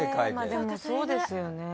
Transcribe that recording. まあでもそうですよね。